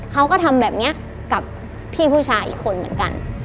เขาก็ทำแบบนี้กับพี่ผู้ชายอีกคนเหมือนกัน